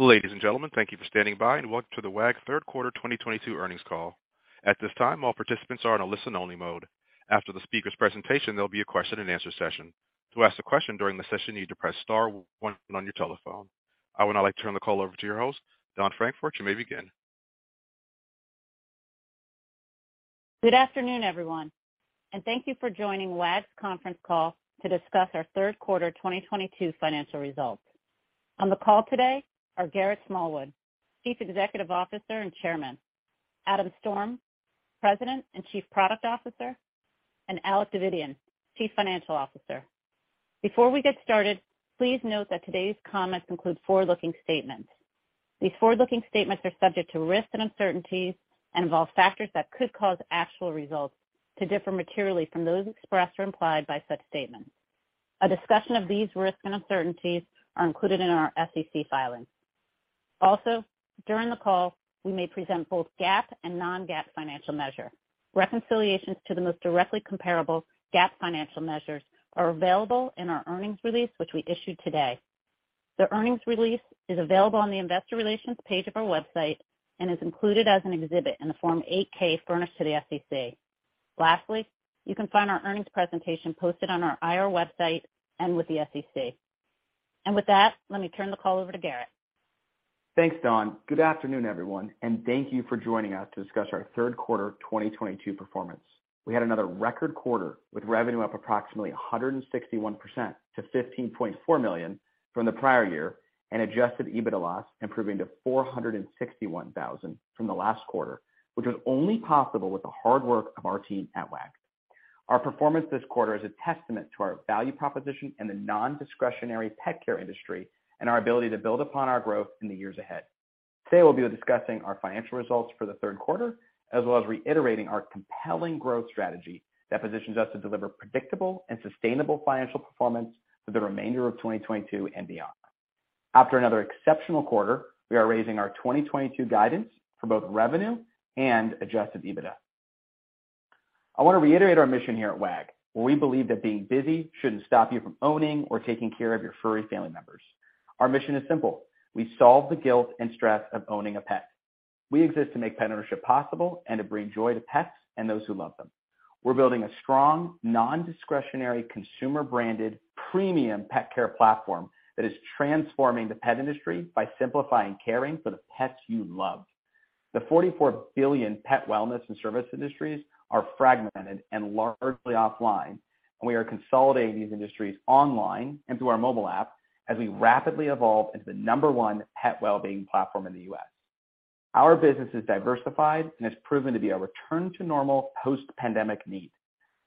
Ladies and gentlemen, thank you for standing by, and welcome to the Wag! third quarter 2022 earnings call. At this time, all participants are in a listen only mode. After the speaker's presentation, there'll be a Q&A session. To ask a question during the session, you need to press star one on your telephone. I would now like to turn the call over to your host, Dawn Frankfort. You may begin. Good afternoon, everyone, and thank you for joining Wag!'s conference call to discuss our third quarter 2022 financial results. On the call today are Garrett Smallwood, Chief Executive Officer and Chairman, Adam Storm, President and Chief Product Officer, and Alec Davidian, Chief Financial Officer. Before we get started, please note that today's comments include forward-looking statements. These forward-looking statements are subject to risks and uncertainties and involve factors that could cause actual results to differ materially from those expressed or implied by such statements. A discussion of these risks and uncertainties are included in our SEC filings. Also, during the call, we may present both GAAP and non-GAAP financial measure. Reconciliations to the most directly comparable GAAP financial measures are available in our earnings release, which we issued today. The earnings release is available on the investor relations page of our website and is included as an exhibit in the form Form 8-K furnished to the SEC. Lastly, you can find our earnings presentation posted on our IR website and with the SEC. With that, let me turn the call over to Garrett. Thanks, Dawn. Good afternoon, everyone, and thank you for joining us to discuss our third quarter 2022 performance. We had another record quarter with revenue up approximately 161% to $15.4 million from the prior year, and Adjusted EBITDA loss improving to $461,000 from the last quarter, which was only possible with the hard work of our team at Wag!. Our performance this quarter is a testament to our value proposition in the non-discretionary pet care industry and our ability to build upon our growth in the years ahead. Today, we'll be discussing our financial results for the third quarter, as well as reiterating our compelling growth strategy that positions us to deliver predictable and sustainable financial performance for the remainder of 2022 and beyond. After another exceptional quarter, we are raising our 2022 guidance for both revenue and Adjusted EBITDA. I want to reiterate our mission here at Wag!, where we believe that being busy shouldn't stop you from owning or taking care of your furry family members. Our mission is simple. We solve the guilt and stress of owning a pet. We exist to make pet ownership possible and to bring joy to pets and those who love them. We're building a strong, non-discretionary, consumer-branded, premium pet care platform that is transforming the pet industry by simplifying caring for the pets you love. The $44 billion pet wellness and service industries are fragmented and largely offline, and we are consolidating these industries online and through our mobile app as we rapidly evolve into the number one pet wellbeing platform in the U.S. Our business is diversified and has proven to be a return to normal post-pandemic need.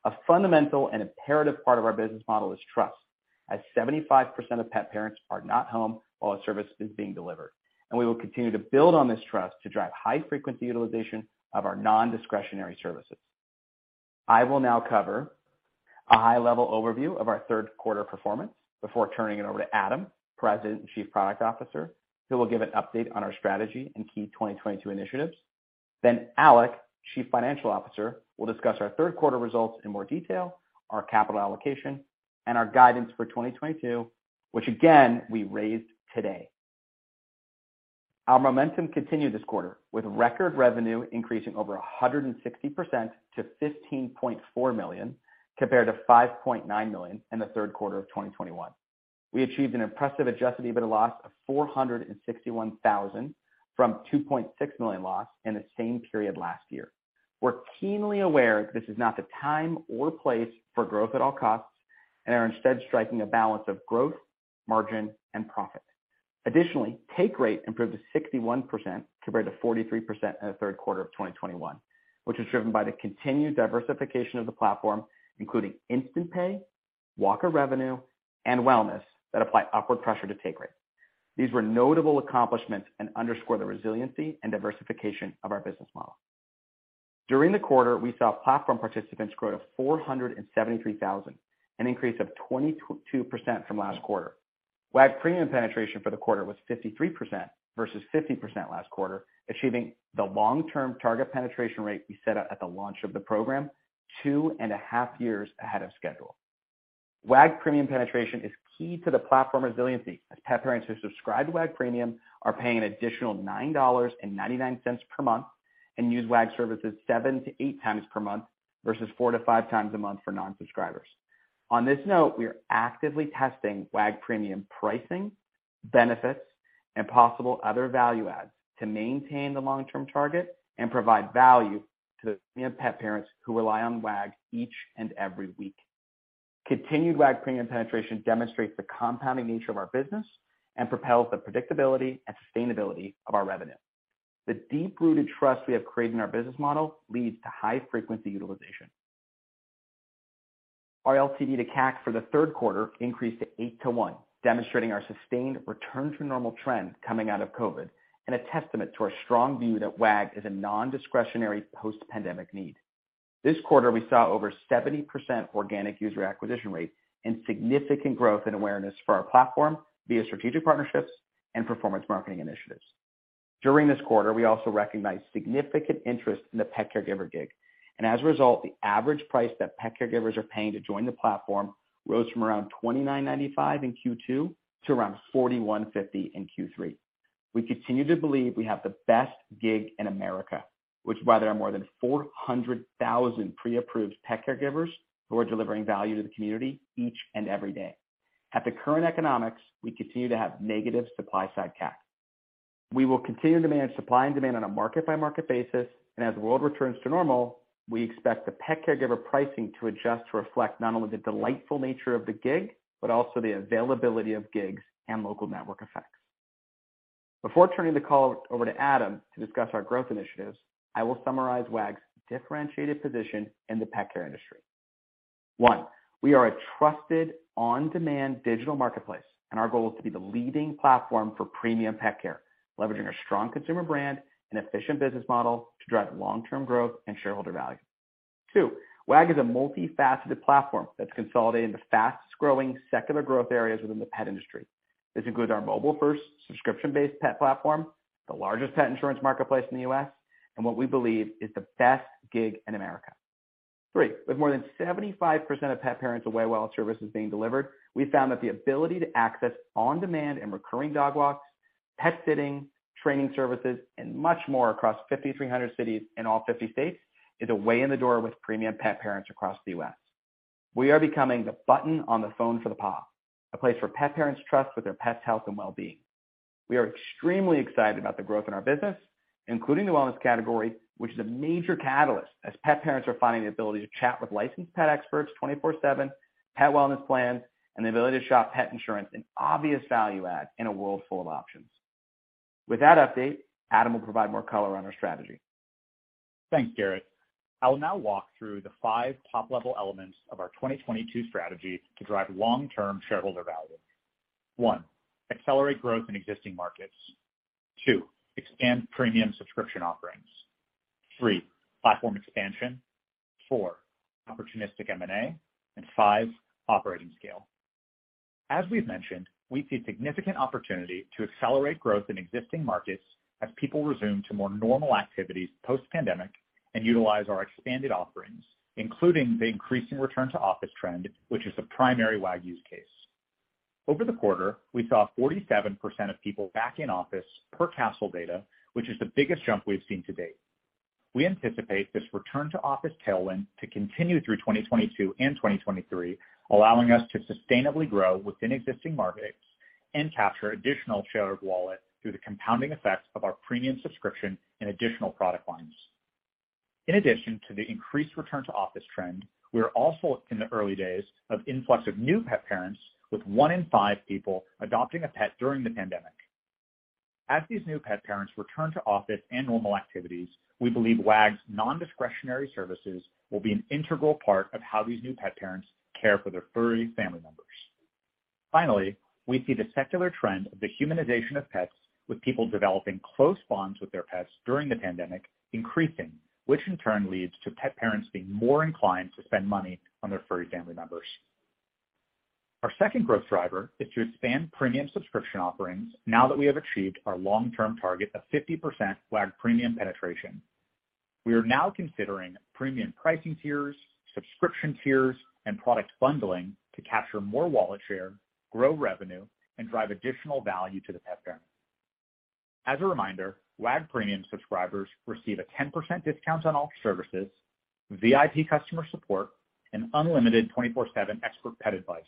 A fundamental and imperative part of our business model is trust, as 75% of pet parents are not home while a service is being delivered, and we will continue to build on this trust to drive high-frequency utilization of our non-discretionary services. I will now cover a high-level overview of our third quarter performance before turning it over to Adam Storm, President and Chief Product Officer, who will give an update on our strategy and key 2022 initiatives. Alec Davidian, Chief Financial Officer, will discuss our third quarter results in more detail, our capital allocation, and our guidance for 2022, which again, we raised today. Our momentum continued this quarter with record revenue increasing over 160% to $15.4 million, compared to $5.9 million in the third quarter of 2021. We achieved an impressive Adjusted EBITDA loss of $461,000 from $2.6 million loss in the same period last year. We're keenly aware this is not the time or place for growth at all costs and are instead striking a balance of growth, margin, and profit. Additionally, take rate improved to 61% compared to 43% in the third quarter of 2021, which was driven by the continued diversification of the platform, including Instant Pay, walker revenue, and wellness that apply upward pressure to take rate. These were notable accomplishments and underscore the resiliency and diversification of our business model. During the quarter, we saw platform participants grow to 473,000, an increase of 22% from last quarter. Wag! Premium penetration for the quarter was 53% versus 50% last quarter, achieving the long-term target penetration rate we set out at the launch of the program two and a half years ahead of schedule. Wag! Premium penetration is key to the platform resiliency, as pet parents who subscribe to Wag! Premium are paying an additional $9.99 per month and use Wag! services 7-8 times per month versus 4-5 times a month for non-subscribers. On this note, we are actively testing Wag! Premium pricing, benefits, and possible other value adds to maintain the long-term target and provide value to the pet parents who rely on Wag! each and every week. Continued Wag! Premium penetration demonstrates the compounding nature of our business and propels the predictability and sustainability of our revenue. The deep-rooted trust we have created in our business model leads to high frequency utilization. Our LTV to CAC for the third quarter increased to 8-to-1, demonstrating our sustained return to normal trend coming out of COVID and a testament to our strong view that Wag! is a non-discretionary post-pandemic need. This quarter, we saw over 70% organic user acquisition rate and significant growth and awareness for our platform via strategic partnerships and performance marketing initiatives. During this quarter, we also recognized significant interest in the pet caregiver gig. As a result, the average price that pet caregivers are paying to join the platform rose from around $29.95 in Q2 to around $41.50 in Q3. We continue to believe we have the best gig in America, which is why there are more than 400,000 pre-approved pet caregivers who are delivering value to the community each and every day. At the current economics, we continue to have negative supply-side CAC. We will continue to manage supply and demand on a market-by-market basis. As the world returns to normal, we expect the pet caregiver pricing to adjust to reflect not only the delightful nature of the gig, but also the availability of gigs and local network effects. Before turning the call over to Adam to discuss our growth initiatives, I will summarize Wag!'s differentiated position in the pet care industry. One, we are a trusted on-demand digital marketplace, and our goal is to be the leading platform for premium pet care, leveraging our strong consumer brand and efficient business model to drive long-term growth and shareholder value. Two, Wag! is a multifaceted platform that's consolidating the fastest-growing secular growth areas within the pet industry. This includes our mobile-first subscription-based pet platform, the largest pet insurance marketplace in the U.S., and what we believe is the best gig in America. Three, with more than 75% of pet parents away while services being delivered, we found that the ability to access on-demand and recurring dog walks, pet sitting, training services, and much more across 5,300 cities in all 50 states is a way in the door with premium pet parents across the U.S. We are becoming the button on the phone for the paw, a place where pet parents trust with their pet's health and wellbeing. We are extremely excited about the growth in our business, including the wellness category, which is a major catalyst as pet parents are finding the ability to chat with licensed pet experts 24/7, pet wellness plans, and the ability to shop pet insurance, an obvious value add in a world full of options. With that update, Adam will provide more color on our strategy. Thanks, Garrett. I will now walk through the five top-level elements of our 2022 strategy to drive long-term shareholder value. One, accelerate growth in existing markets. Two, expand premium subscription offerings. Three, platform expansion. Four, opportunistic M&A. And five, operating scale. As we've mentioned, we see significant opportunity to accelerate growth in existing markets as people resume to more normal activities post-pandemic and utilize our expanded offerings, including the increasing return to office trend, which is a primary Wag use case. Over the quarter, we saw 47% of people back in office per Kastle data, which is the biggest jump we've seen to date. We anticipate this return to office tailwind to continue through 2022 and 2023, allowing us to sustainably grow within existing markets and capture additional shared wallet through the compounding effects of our premium subscription and additional product lines. In addition to the increased return to office trend, we are also in the early days of influx of new pet parents, with one in five people adopting a pet during the pandemic. As these new pet parents return to office and normal activities, we believe Wag!'s nondiscretionary services will be an integral part of how these new pet parents care for their furry family members. Finally, we see the secular trend of the humanization of pets, with people developing close bonds with their pets during the pandemic increasing, which in turn leads to pet parents being more inclined to spend money on their furry family members. Our second growth driver is to expand premium subscription offerings now that we have achieved our long-term target of 50% Wag! Premium penetration. We are now considering premium pricing tiers, subscription tiers, and product bundling to capture more wallet share, grow revenue, and drive additional value to the pet parent. As a reminder, Wag! Premium subscribers receive a 10% discount on all services, VIP customer support, and unlimited 24/7 expert pet advice,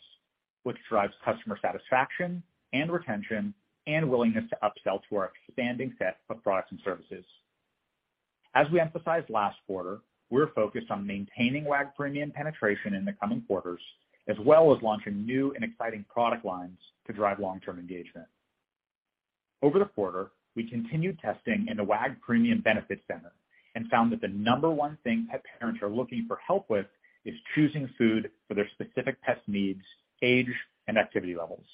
which drives customer satisfaction and retention and willingness to upsell to our expanding set of products and services. As we emphasized last quarter, we're focused on maintaining Wag! Premium penetration in the coming quarters, as well as launching new and exciting product lines to drive long-term engagement. Over the quarter, we continued testing in the Wag! Premium Benefits Center and found that the number one thing pet parents are looking for help with is choosing food for their specific pet's needs, age, and activity levels.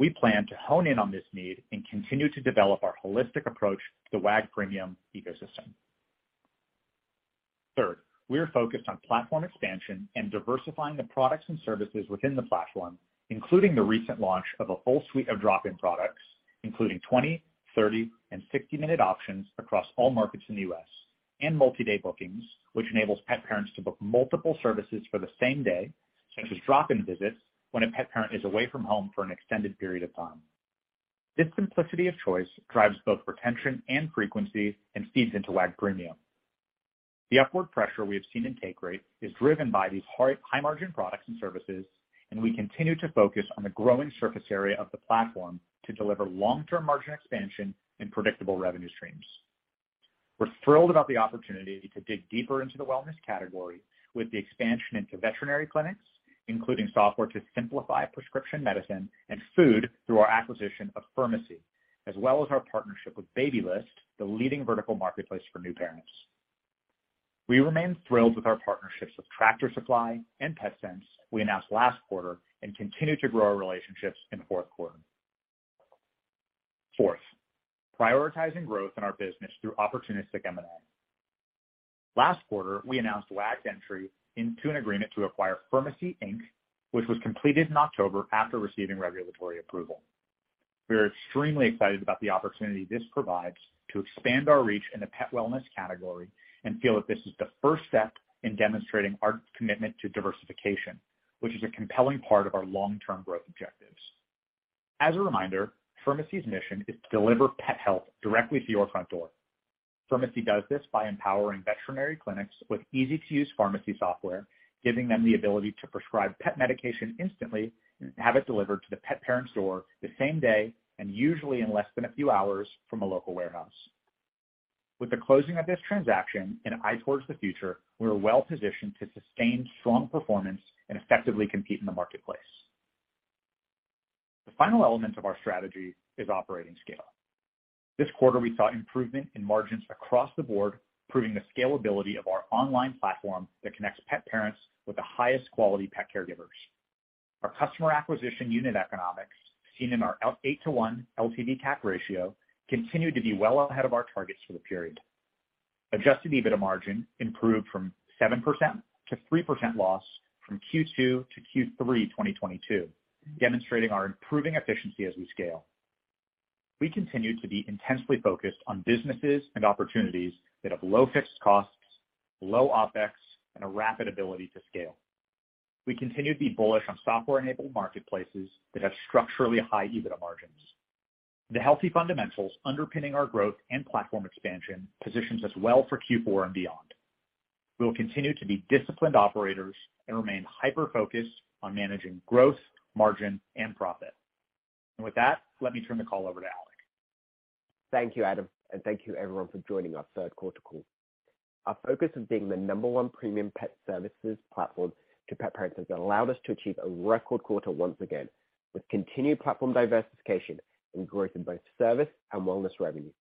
We plan to hone in on this need and continue to develop our holistic approach to the Wag! Premium ecosystem. Third, we are focused on platform expansion and diversifying the products and services within the platform, including the recent launch of a full suite of drop-in products, including 20-, 30-, and 60-minute options across all markets in the U.S., and multi-day bookings, which enables pet parents to book multiple services for the same day, such as drop-in visits when a pet parent is away from home for an extended period of time. This simplicity of choice drives both retention and frequency and feeds into Wag! Premium. The upward pressure we have seen in take rate is driven by these high margin products and services, and we continue to focus on the growing surface area of the platform to deliver long-term margin expansion and predictable revenue streams. We're thrilled about the opportunity to dig deeper into the wellness category with the expansion into veterinary clinics, including software to simplify prescription medicine and food through our acquisition of Furmacy, as well as our partnership with Babylist, the leading vertical marketplace for new parents. We remain thrilled with our partnerships with Tractor Supply and Petsense, we announced last quarter and continue to grow our relationships in the fourth quarter. Fourth, prioritizing growth in our business through opportunistic M&A. Last quarter, we announced Wag!'s entry into an agreement to acquire Furmacy, Inc., which was completed in October after receiving regulatory approval. We are extremely excited about the opportunity this provides to expand our reach in the pet wellness category and feel that this is the first step in demonstrating our commitment to diversification, which is a compelling part of our long-term growth objectives. As a reminder, Furmacy's mission is to deliver pet health directly to your front door. Furmacy does this by empowering veterinary clinics with easy-to-use pharmacy software, giving them the ability to prescribe pet medication instantly and have it delivered to the pet parent's door the same day and usually in less than a few hours from a local warehouse. With the closing of this transaction and an eye towards the future, we're well-positioned to sustain strong performance and effectively compete in the marketplace. The final element of our strategy is operating scale. This quarter we saw improvement in margins across the board, proving the scalability of our online platform that connects pet parents with the highest quality Pet Caregivers. Our customer acquisition unit economics, seen in our 8-to-1 LTV CAC ratio, continued to be well ahead of our targets for the period. Adjusted EBITDA margin improved from 7%-3% loss from Q2 to Q3 2022, demonstrating our improving efficiency as we scale. We continue to be intensely focused on businesses and opportunities that have low fixed costs, low OpEx, and a rapid ability to scale. We continue to be bullish on software-enabled marketplaces that have structurally high EBITDA margins. The healthy fundamentals underpinning our growth and platform expansion positions us well for Q4 and beyond. We will continue to be disciplined operators and remain hyper-focused on managing growth, margin, and profit. With that, let me turn the call over to Alex. Thank you, Adam, and thank you everyone for joining our third quarter call. Our focus on being the number one premium pet services platform to pet parents has allowed us to achieve a record quarter once again, with continued platform diversification and growth in both service and wellness revenue.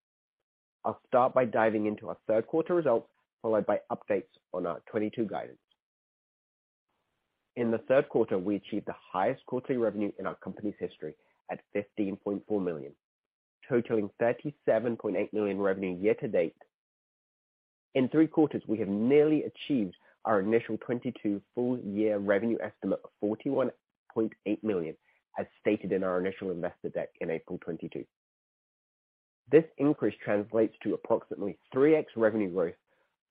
I'll start by diving into our third quarter results, followed by updates on our 2022 guidance. In the third quarter, we achieved the highest quarterly revenue in our company's history at $15.4 million, totaling $37.8 million revenue year to date. In three quarters, we have nearly achieved our initial 2022 full year revenue estimate of $41.8 million, as stated in our initial investor deck in April 2022. This increase translates to approximately 3x revenue growth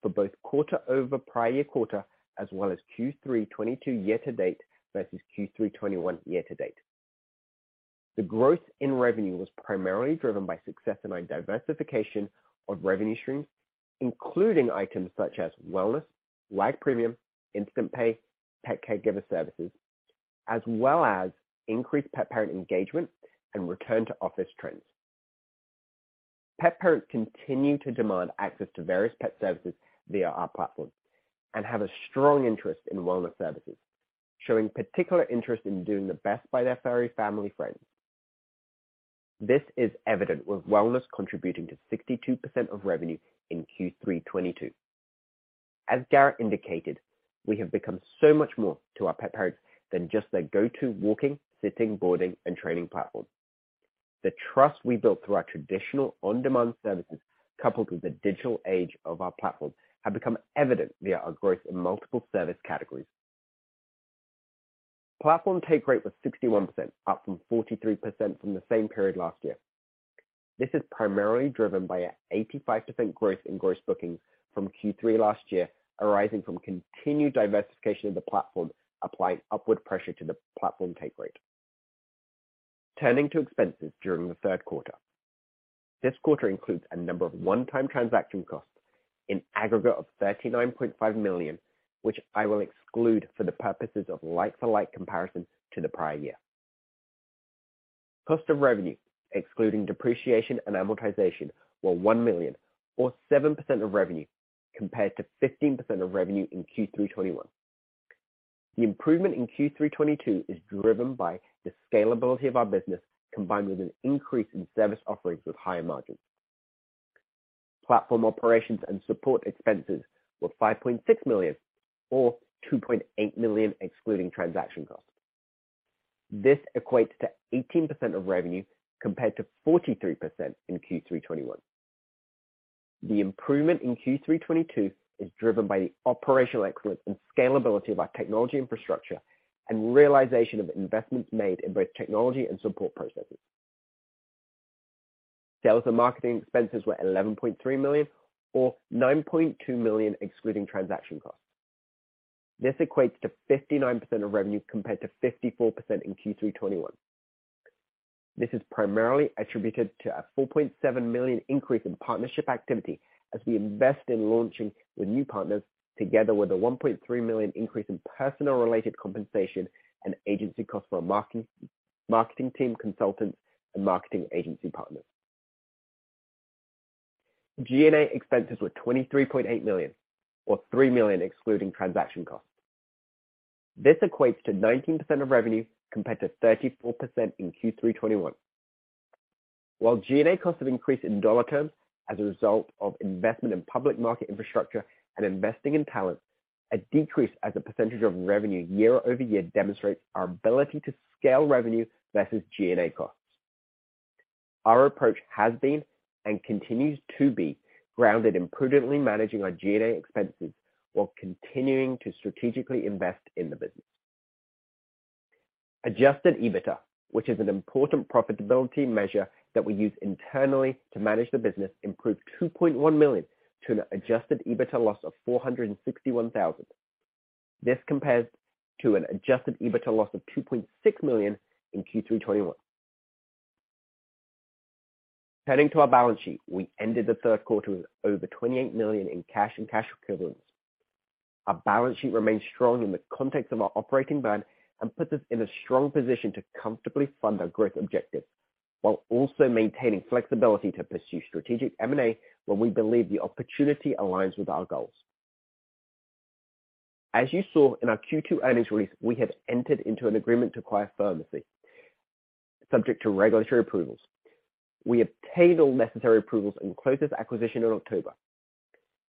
for both quarter-over-prior-year quarter, as well as Q3 2022 year to date versus Q3 2021 year to date. The growth in revenue was primarily driven by success in our diversification of revenue streams, including items such as wellness, Wag! Premium, Instant Pay, pet caregiver services, as well as increased pet parent engagement and return to office trends. Pet parents continue to demand access to various pet services via our platform and have a strong interest in wellness services, showing particular interest in doing the best by their furry family friends. This is evident with wellness contributing to 62% of revenue in Q3 2022. As Garrett indicated, we have become so much more to our pet parents than just their go-to walking, sitting, boarding, and training platform. The trust we built through our traditional on-demand services coupled with the digital age of our platform, have become evident via our growth in multiple service categories. Platform take rate was 61%, up from 43% from the same period last year. This is primarily driven by a 85% growth in gross bookings from Q3 last year, arising from continued diversification of the platform, applying upward pressure to the platform take rate. Turning to expenses during the third quarter. This quarter includes a number of one-time transaction costs in aggregate of $39.5 million, which I will exclude for the purposes of like for like comparison to the prior year. Cost of revenue, excluding depreciation and amortization, were $1 million or 7% of revenue, compared to 15% of revenue in Q3 2021. The improvement in Q3 2022 is driven by the scalability of our business, combined with an increase in service offerings with higher margins. Platform operations and support expenses were $5.6 million or $2.8 million excluding transaction costs. This equates to 18% of revenue compared to 43% in Q3 2021. The improvement in Q3 2022 is driven by the operational excellence and scalability of our technology infrastructure and realization of investments made in both technology and support processes. Sales and marketing expenses were $11.3 million or $9.2 million excluding transaction costs. This equates to 59% of revenue compared to 54% in Q3 2021. This is primarily attributed to a $4.7 million increase in partnership activity as we invest in launching with new partners, together with a $1.3 million increase in personnel-related compensation and marketing team consultants and marketing agency partners. G&A expenses were $23.8 million, or $3 million excluding transaction costs. This equates to 19% of revenue compared to 34% in Q3 2021. While G&A costs have increased in dollar terms as a result of investment in public market infrastructure and investing in talent, a decrease as a percentage of revenue year-over-year demonstrates our ability to scale revenue versus G&A costs. Our approach has been and continues to be grounded in prudently managing our G&A expenses while continuing to strategically invest in the business. Adjusted EBITDA, which is an important profitability measure that we use internally to manage the business, improved $2.1 million to an adjusted EBITDA loss of $461,000. This compares to an adjusted EBITDA loss of $2.6 million in Q3 2021. Turning to our balance sheet, we ended the third quarter with over $28 million in cash and cash equivalents. Our balance sheet remains strong in the context of our operating burn and puts us in a strong position to comfortably fund our growth objectives, while also maintaining flexibility to pursue strategic M&A when we believe the opportunity aligns with our goals. As you saw in our Q2 earnings release, we have entered into an agreement to acquire Furmacy subject to regulatory approvals. We obtained all necessary approvals and closed this acquisition in October.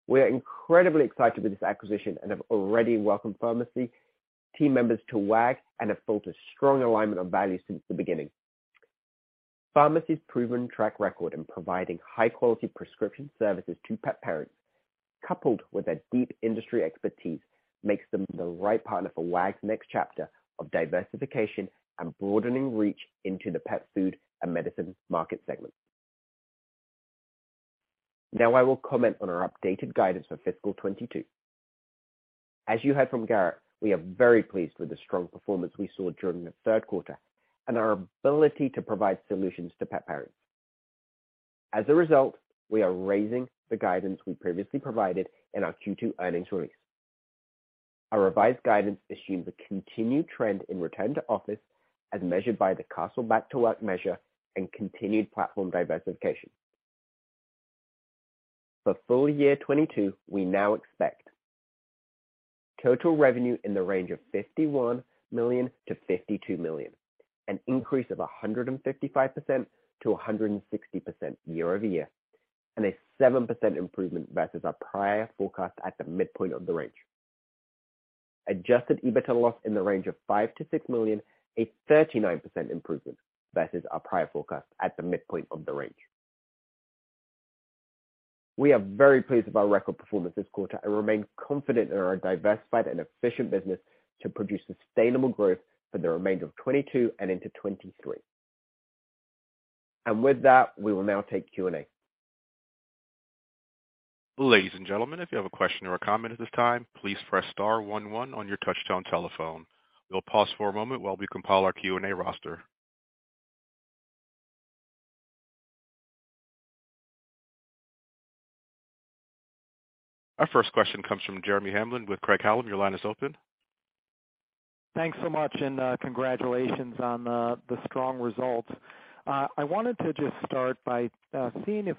We are incredibly excited with this acquisition and have already welcomed Furmacy team members to Wag! and have built a strong alignment of values since the beginning. Furmacy's proven track record in providing high-quality prescription services to pet parents, coupled with their deep industry expertise, makes them the right partner for Wag!'s next chapter of diversification and broadening reach into the pet food and medicine market segment. Now I will comment on our updated guidance for fiscal 2022. As you heard from Garrett, we are very pleased with the strong performance we saw during the third quarter and our ability to provide solutions to pet parents. As a result, we are raising the guidance we previously provided in our Q2 earnings release. Our revised guidance assumes a continued trend in return to office as measured by the Kastle back-to-work measure and continued platform diversification. For full year 2022, we now expect total revenue in the range of $51 million-$52 million, an increase of 155%-160% year-over-year, and a 7% improvement versus our prior forecast at the midpoint of the range. Adjusted EBITDA loss in the range of $5 million-$6 million, a 39% improvement versus our prior forecast at the midpoint of the range. We are very pleased with our record performance this quarter and remain confident in our diversified and efficient business to produce sustainable growth for the remainder of 2022 and into 2023. With that, we will now take Q&A. Ladies and gentlemen, if you have a question or a comment at this time, please press star one one on your touchtone telephone. We'll pause for a moment while we compile our Q&A roster. Our first question comes from Jeremy Hamblin with Craig-Hallum. Your line is open. Thanks so much, congratulations on the strong results. I wanted to just start by seeing if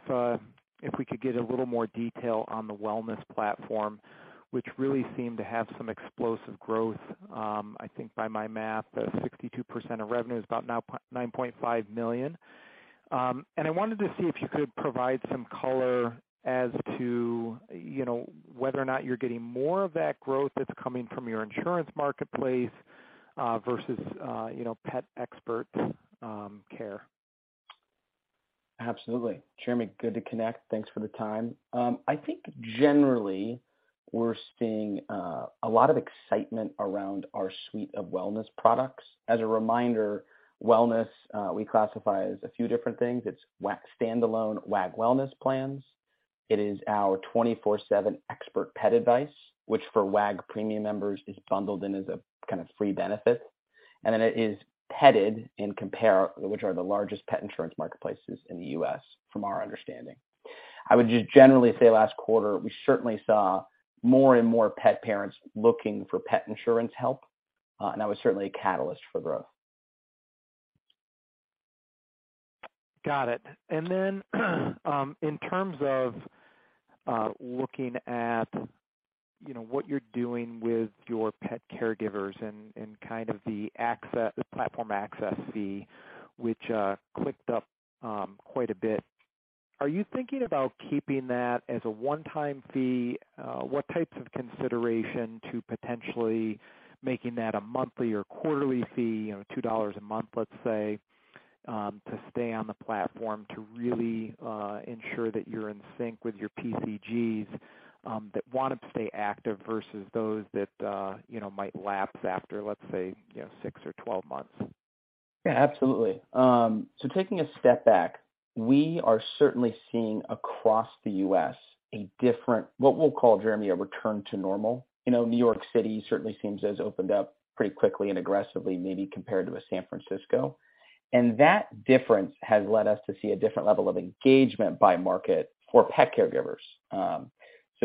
we could get a little more detail on the wellness platform, which really seemed to have some explosive growth. I think by my math, 62% of revenue is about $9.5 million. I wanted to see if you could provide some color as to, you know, whether or not you're getting more of that growth that's coming from your insurance marketplace, versus, you know, pet expert care. Absolutely. Jeremy, good to connect. Thanks for the time. I think generally we're seeing a lot of excitement around our suite of wellness products. As a reminder, wellness, we classify as a few different things. It's standalone Wag! wellness plans. It is our 24/7 expert pet advice, which for Wag! Premium members is bundled in as a kind of free benefit. And then it is Pet Insurance Compare, which are the largest pet insurance marketplaces in the U.S., from our understanding. I would just generally say last quarter, we certainly saw more and more pet parents looking for pet insurance help, and that was certainly a catalyst for growth. Got it. In terms of looking at, you know, what you're doing with your Pet Caregivers and kind of the access, platform access fee, which ticked up quite a bit. Are you thinking about keeping that as a one-time fee? What types of consideration to potentially making that a monthly or quarterly fee, you know, $2 a month, let's say, to stay on the platform to really ensure that you're in sync with your PCGs, that wanna stay active versus those that, you know, might lapse after, let's say, you know, six or 12 months? Yeah, absolutely. Taking a step back, we are certainly seeing across the U.S. a different, what we'll call Jeremy, a return to normal. You know, New York City certainly seems to have opened up pretty quickly and aggressively, maybe compared to San Francisco. That difference has led us to see a different level of engagement by market for Pet Caregivers.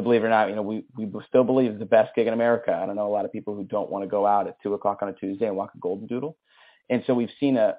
Believe it or not, you know, we still believe it's the best gig in America. I don't know a lot of people who don't wanna go out at two o'clock on a Tuesday and walk a Goldendoodle. We've seen a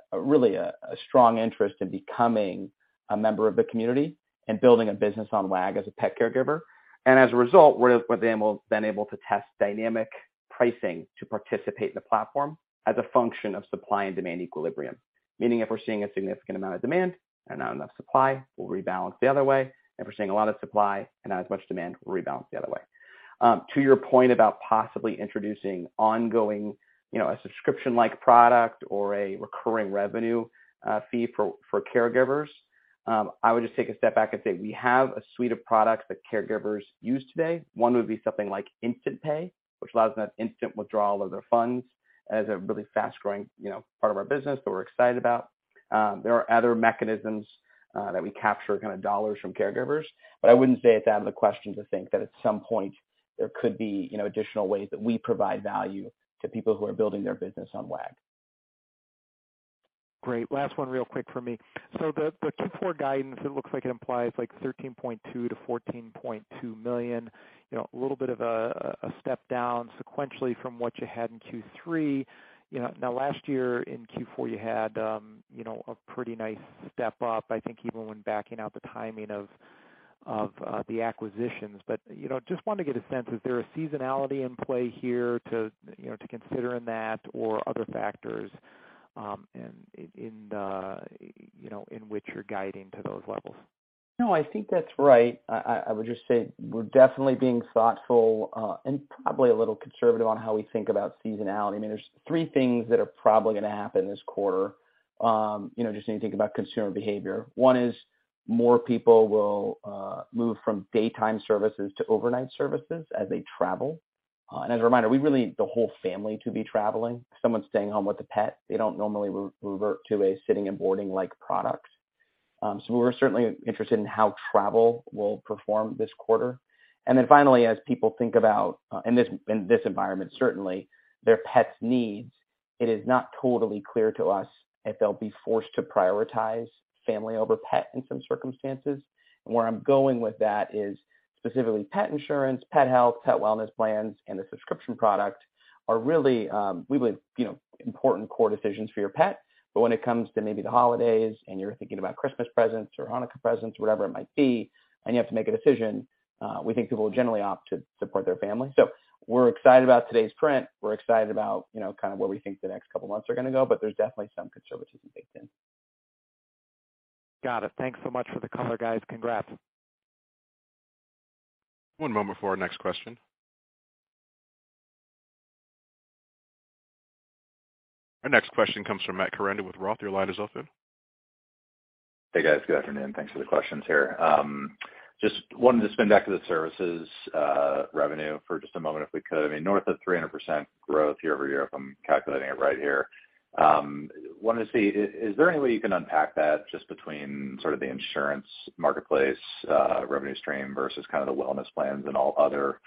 strong interest in becoming a member of the community and building a business on Wag! as a Pet Caregiver. As a result, we're then able to test dynamic pricing to participate in the platform as a function of supply and demand equilibrium. Meaning if we're seeing a significant amount of demand and not enough supply, we'll rebalance the other way. If we're seeing a lot of supply and not as much demand, we'll rebalance the other way. To your point about possibly introducing ongoing, you know, a subscription-like product or a recurring revenue fee for caregivers I would just take a step back and say we have a suite of products that caregivers use today. One would be something like Instant Pay, which allows them to have instant withdrawal of their funds, as a really fast-growing, you know, part of our business that we're excited about. There are other mechanisms that we capture kinda dollars from caregivers, but I wouldn't say it's out of the question to think that at some point there could be, you know, additional ways that we provide value to people who are building their business on Wag!. Great. Last one real quick from me. So the Q4 guidance, it looks like it implies like $13.2 million-$14.2 million. You know, a little bit of a step down sequentially from what you had in Q3. You know, now last year in Q4, you had you know a pretty nice step up, I think even when backing out the timing of the acquisitions. You know, just want to get a sense, is there a seasonality in play here to you know to consider in that or other factors in the you know in which you're guiding to those levels? No, I think that's right. I would just say we're definitely being thoughtful, and probably a little conservative on how we think about seasonality. I mean, there's three things that are probably gonna happen this quarter, you know, just when you think about consumer behavior. One is more people will move from daytime services to overnight services as they travel. As a reminder, we really want the whole family to be traveling. Someone staying home with a pet, they don't normally revert to a sitting and boarding-like product. We're certainly interested in how travel will perform this quarter. Finally, as people think about their pet's needs in this environment, certainly it is not totally clear to us if they'll be forced to prioritize family over pet in some circumstances. Where I'm going with that is specifically pet insurance, pet health, pet wellness plans, and the subscription product are really, we believe, you know, important core decisions for your pet. When it comes to maybe the holidays and you're thinking about Christmas presents or Hanukkah presents, whatever it might be, and you have to make a decision, we think people will generally opt to support their family. We're excited about today's print. We're excited about, you know, kind of where we think the next couple of months are gonna go, but there's definitely some conservatism baked in. Got it. Thanks so much for the color, guys. Congrats. One moment for our next question. Our next question comes from Matt Koranda with Roth. Your line is open. Hey, guys. Good afternoon. Thanks for the questions here. Just wanted to spin back to the services revenue for just a moment if we could. I mean, north of 300% growth year-over-year, if I'm calculating it right here. Wanted to see, is there any way you can unpack that just between sort of the insurance marketplace revenue stream versus kind of the wellness plans and all other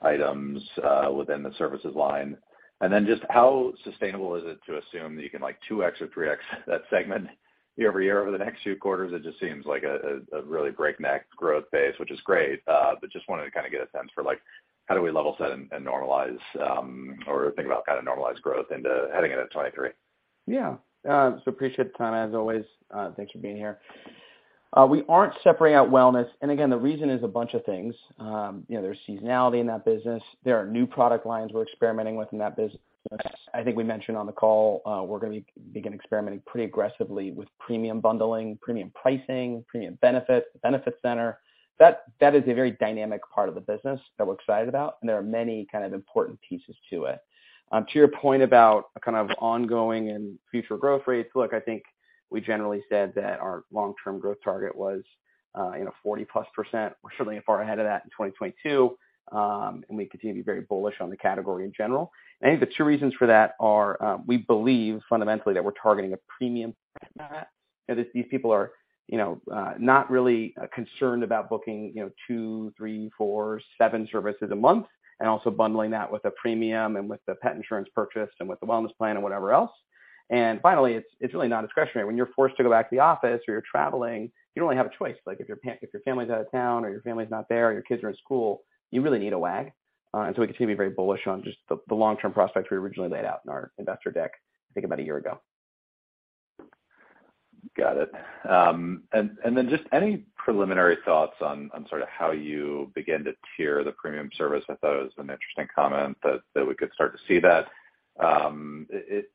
items within the services line? Then just how sustainable is it to assume that you can like 2x or 3x that segment year-over-year over the next few quarters? It just seems like a really breakneck growth pace, which is great. Just wanted to kinda get a sense for like, how do we level set and normalize, or think about kind of normalized growth into heading into 2023? Yeah. Appreciate the time as always. Thank you for being here. We aren't separating out wellness, and again, the reason is a bunch of things. You know, there's seasonality in that business. There are new product lines we're experimenting with in that business. I think we mentioned on the call, we're gonna begin experimenting pretty aggressively with Premium bundling, Premium pricing, Premium benefits, Benefits Center. That is a very dynamic part of the business that we're excited about, and there are many kind of important pieces to it. To your point about kind of ongoing and future growth rates, look, I think we generally said that our long-term growth target was, you know, 40%+. We're certainly far ahead of that in 2022, and we continue to be very bullish on the category in general. I think the two reasons for that are, we believe fundamentally that we're targeting a premium pet parent. You know, these people are, you know, not really concerned about booking, you know, two, three, four, seven services a month and also bundling that with a premium and with the pet insurance purchase and with the wellness plan and whatever else. Finally, it's really non-discretionary. When you're forced to go back to the office or you're traveling, you don't really have a choice. Like, if your family's out of town or your family's not there or your kids are in school, you really need a Wag!. We continue to be very bullish on just the long-term prospects we originally laid out in our investor deck I think about a year ago. Got it. And then just any preliminary thoughts on sort of how you begin to tier the premium service? I thought it was an interesting comment that we could start to see that.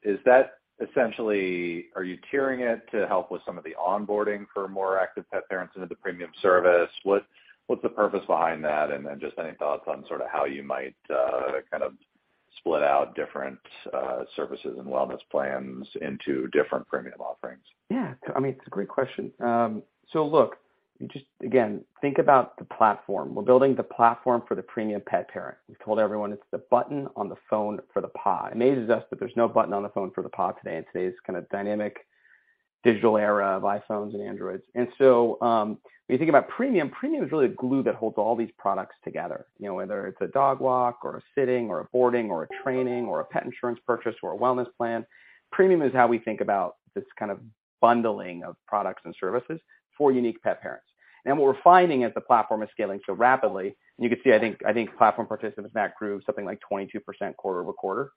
Is that essentially are you tiering it to help with some of the onboarding for more active pet parents into the premium service? What's the purpose behind that? And then just any thoughts on sort of how you might kind of split out different services and wellness plans into different premium offerings? Yeah. I mean, it's a great question. Look, just again, think about the platform. We're building the platform for the premium pet parent. We've told everyone it's the button on the phone for the paw. It amazes us that there's no button on the phone for the paw today in today's kind of dynamic digital era of iPhones and Androids. When you think about premium is really the glue that holds all these products together, you know, whether it's a dog walk or a sitting or a boarding or a training or a pet insurance purchase or a wellness plan. Premium is how we think about this kind of bundling of products and services for unique pet parents. What we're finding as the platform is scaling so rapidly, and you can see, I think platform participants, Matt, grew something like 22% quarter-over-quarter.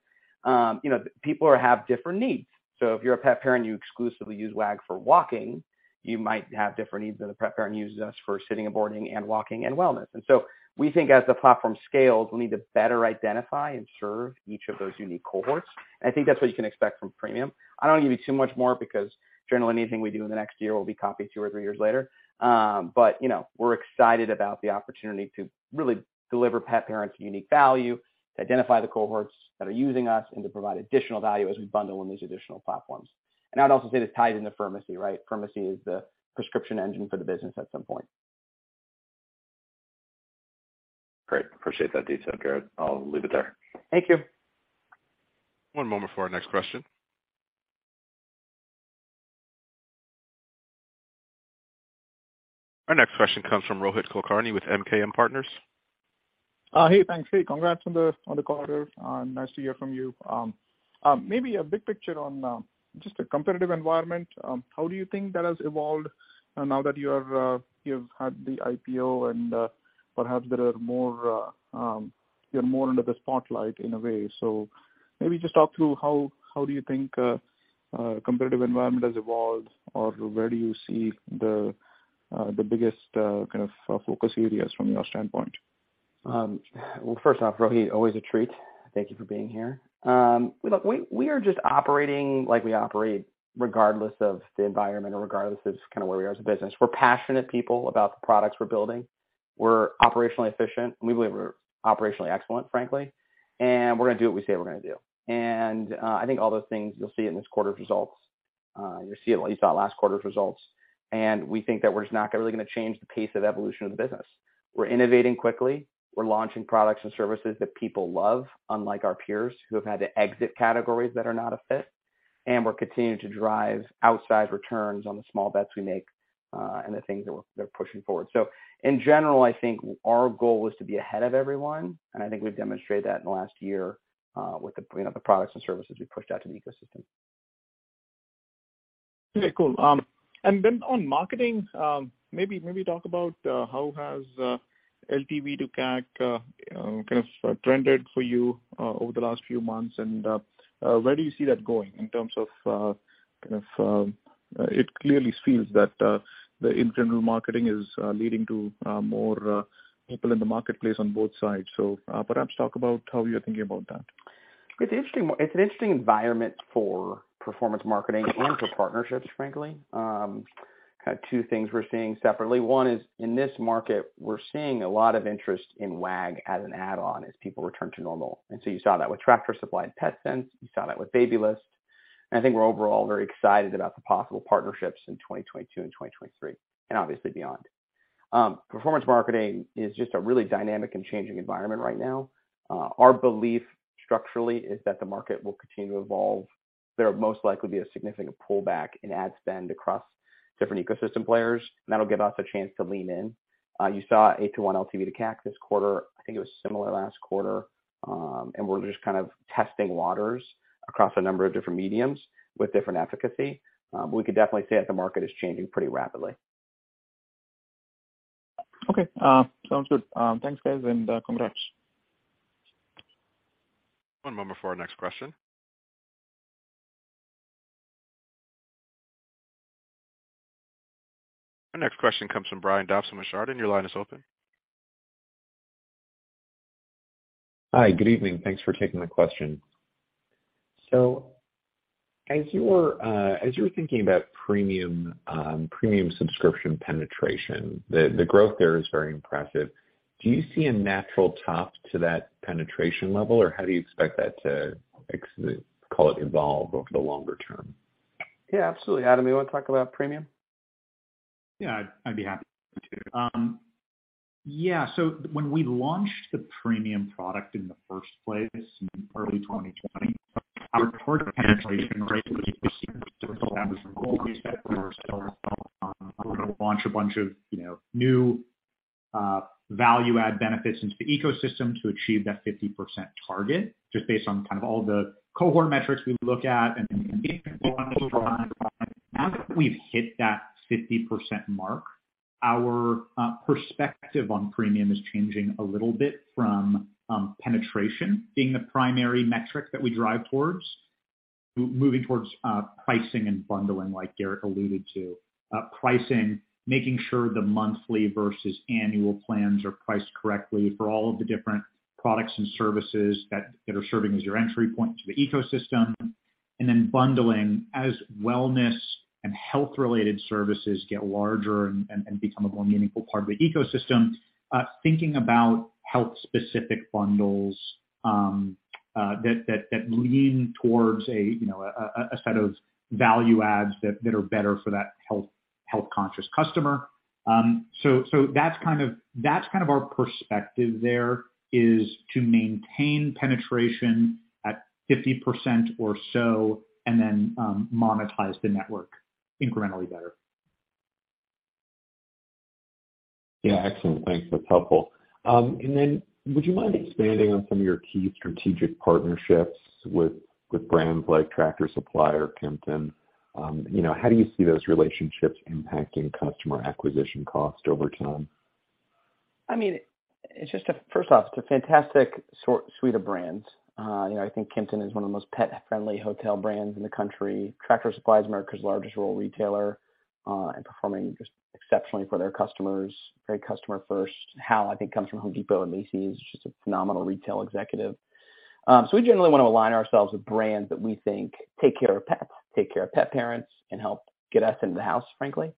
You know, people have different needs. If you're a pet parent and you exclusively use Wag! for walking, you might have different needs than a pet parent who uses us for sitting and boarding and walking and wellness. We think as the platform scales, we'll need to better identify and serve each of those unique cohorts. I think that's what you can expect from premium. I don't want to give you too much more because generally anything we do in the next year will be copied two or three years later. you know, we're excited about the opportunity to really deliver pet parents unique value, to identify the cohorts that are using us, and to provide additional value as we bundle in these additional platforms. I'd also say it's tied into Furmacy, right? Furmacy is the prescription engine for the business at some point. Great. Appreciate that detail, Garrett. I'll leave it there. Thank you. One moment for our next question. Our next question comes from Rohit Kulkarni with MKM Partners. Hey, thanks. Hey, congrats on the quarter, and nice to hear from you. Maybe a big picture on just the competitive environment. How do you think that has evolved now that you've had the IPO and perhaps there are more you're more under the spotlight in a way? Maybe just talk through how you think competitive environment has evolved or where you see the biggest kind of focus areas from your standpoint? Well, first off, Rohit, always a treat. Thank you for being here. Look, we are just operating like we operate regardless of the environment or regardless of just kind of where we are as a business. We're passionate people about the products we're building. We're operationally efficient. We believe we're operationally excellent, frankly. We're gonna do what we say we're gonna do. I think all those things you'll see in this quarter's results. You'll see it like you saw last quarter's results. We think that we're just not really gonna change the pace of evolution of the business. We're innovating quickly. We're launching products and services that people love, unlike our peers who have had to exit categories that are not a fit. We're continuing to drive outsized returns on the small bets we make and the things that we're pushing forward. In general, I think our goal is to be ahead of everyone, and I think we've demonstrated that in the last year with you know, the products and services we've pushed out to the ecosystem. Okay, cool. Then on marketing, maybe talk about how has LTV to CAC you know kind of trended for you over the last few months, and where do you see that going in terms of kind of it clearly feels that the internal marketing is leading to more people in the marketplace on both sides. Perhaps talk about how you're thinking about that? It's an interesting environment for performance marketing and for partnerships, frankly. Kind of two things we're seeing separately. One is in this market, we're seeing a lot of interest in Wag as an add-on as people return to normal. You saw that with Tractor Supply and Petsense. You saw that with Babylist. I think we're overall very excited about the possible partnerships in 2022 and 2023, and obviously beyond. Performance marketing is just a really dynamic and changing environment right now. Our belief structurally is that the market will continue to evolve. There will most likely be a significant pullback in ad spend across different ecosystem players, and that'll give us a chance to lean in. You saw 8-to-1 LTV to CAC this quarter. I think it was similar last quarter. We're just kind of testing waters across a number of different mediums with different efficacy. We could definitely say that the market is changing pretty rapidly. Okay. Sounds good. Thanks, guys, and congrats. One moment for our next question. Our next question comes from Brian Dobson from Chardan. Your line is open. Hi. Good evening. Thanks for taking the question. As you're thinking about premium subscription penetration, the growth there is very impressive. Do you see a natural top to that penetration level, or how do you expect that to call it evolve over the longer term? Yeah, absolutely. Adam, you wanna talk about premium? Yeah, I'd be happy to. Yeah, when we launched the premium product in the first place in early 2020, our target penetration rate was 50%. That was the goal we set for ourselves. We're gonna launch a bunch of, you know, new value add benefits into the ecosystem to achieve that 50% target, just based on kind of all the cohort metrics we look at and engagement. Now that we've hit that 50% mark, our perspective on premium is changing a little bit from penetration being the primary metric that we drive towards, moving towards pricing and bundling like Garrett alluded to. Pricing, making sure the monthly versus annual plans are priced correctly for all of the different products and services that are serving as your entry point to the ecosystem. Bundling, as wellness and health-related services get larger and become a more meaningful part of the ecosystem, thinking about health-specific bundles that lean towards, you know, a set of value adds that are better for that health-conscious customer. That's kind of our perspective there, is to maintain penetration at 50% or so and then monetize the network incrementally better. Yeah. Excellent. Thanks. That's helpful. Would you mind expanding on some of your key strategic partnerships with brands like Tractor Supply or Kimpton? You know, how do you see those relationships impacting customer acquisition cost over time? I mean, it's a fantastic suite of brands. You know, I think Kimpton Hotels is one of the most pet-friendly hotel brands in the country. Tractor Supply is America's largest rural retailer, and performing just exceptionally for their customers. Very customer first. Hal, I think, comes from The Home Depot, and Mary is just a phenomenal retail executive. We generally wanna align ourselves with brands that we think take care of pets, take care of pet parents, and help get us into the house, frankly.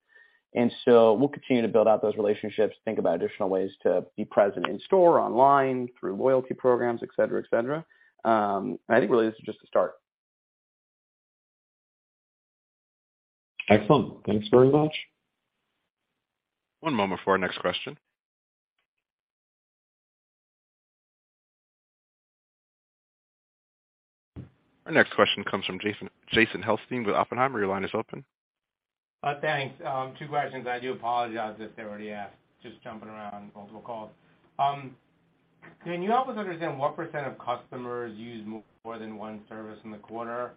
We'll continue to build out those relationships, think about additional ways to be present in store, online, through loyalty programs, et cetera, et cetera. I think really this is just the start. Excellent. Thanks very much. One moment for our next question. Our next question comes from Jason Helfstein with Oppenheimer. Your line is open. Thanks. Two questions. I do apologize if they're already asked, just jumping around multiple calls. Can you help us understand what % of customers use more than one service in the quarter?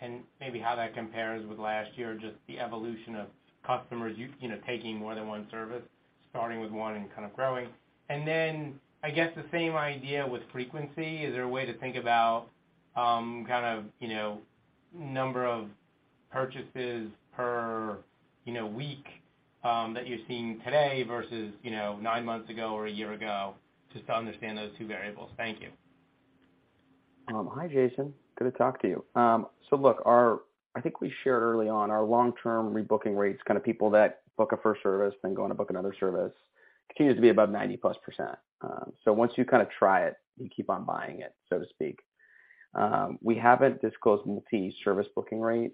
And maybe how that compares with last year, just the evolution of customers you know, taking more than one service, starting with one and kind of growing. I guess the same idea with frequency. Is there a way to think about, kind of, you know, number of purchases per, you know, week, that you're seeing today versus, you know, nine months ago or a year ago, just to understand those two variables. Thank you. Hi, Jason. Good to talk to you. Look, our. I think we shared early on our long-term rebooking rates, kind of people that book a first service, then go on to book another service, continues to be above 90%+. Once you kind of try it, you keep on buying it, so to speak. We haven't disclosed multi-service booking rate,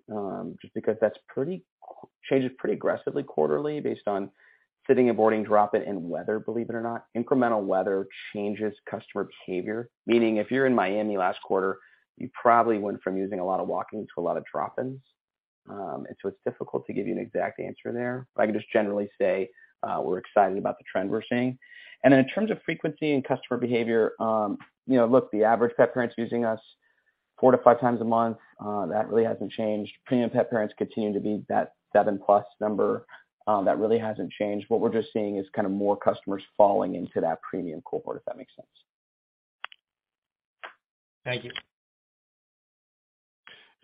just because that's pretty changes pretty aggressively quarterly based on sitting and boarding, drop-in and weather, believe it or not. Incremental weather changes customer behavior. Meaning if you're in Miami last quarter, you probably went from using a lot of walking to a lot of drop-ins. It's difficult to give you an exact answer there. I can just generally say, we're excited about the trend we're seeing. In terms of frequency and customer behavior, you know, look, the average pet parent's using us 4-5 times a month. That really hasn't changed. Premium pet parents continue to be that 7+ number. That really hasn't changed. What we're just seeing is kind of more customers falling into that premium cohort, if that makes sense. Thank you.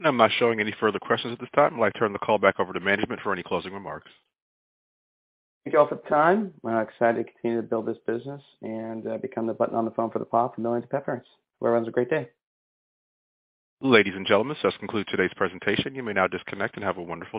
I'm not showing any further questions at this time. I'd like to turn the call back over to management for any closing remarks. Thank you all for the time. We're excited to continue to build this business and become the button on the phone for the paw for millions of pet parents. Everyone has a great day. Ladies and gentlemen, this does conclude today's presentation. You may now disconnect and have a wonderful day.